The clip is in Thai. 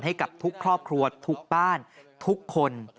ให้กับทุกครอบครัวทุกบ้านทุกคน